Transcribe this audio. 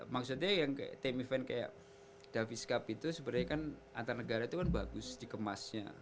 maksudnya yang kayak tim event kayak davis cup itu sebenarnya kan antar negara itu kan bagus dikemasnya